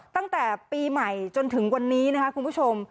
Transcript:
ตั้งแต่ปีใหม่จนถึงวันนี้นะคะคุณผู้ชม